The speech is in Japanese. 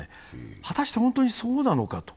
果たして本当にそうなのか。